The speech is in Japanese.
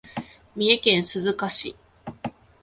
三重県鈴鹿市